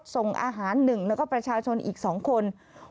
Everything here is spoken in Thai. ส่งอาหาร๑แล้วก็ประชาชนอีก๒คน